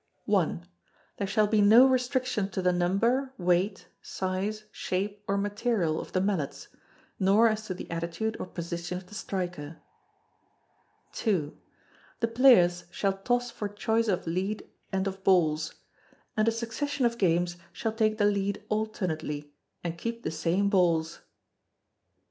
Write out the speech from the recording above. There shall be no restriction to the number, weight, size, shape, or material of the mallets: nor as to the attitude or position of the striker. ii. The players shall toss for choice of lead and of balls: and a succession of games shall take the lead alternately and keep the same balls.